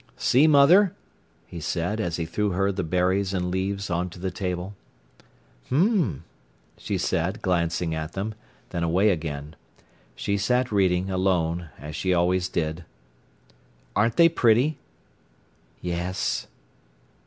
"See, mother!" he said, as he threw her the berries and leaves on to the table. "H'm!" she said, glancing at them, then away again. She sat reading, alone, as she always did. "Aren't they pretty?" "Yes."